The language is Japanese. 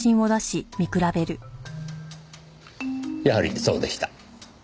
やはりそうでした。